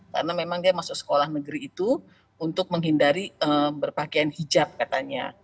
karena memang dia masuk sekolah negeri itu untuk menghindari berpakaian hijab katanya